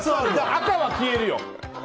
赤は消えるよ。